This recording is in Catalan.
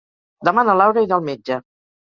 Demà na Laura irà al metge.